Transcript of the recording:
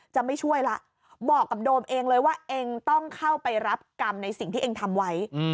จะไม่ช่วยละบอกกับโดมเองเลยว่าเองต้องเข้าไปรับกรรมในสิ่งที่เองทำไว้